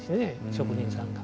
職人さんが。